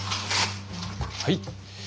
はい。